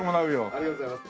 ありがとうございます。